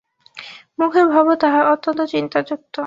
মুখের ভাবও তাহার অত্যন্ত চিন্তাযুক্ত।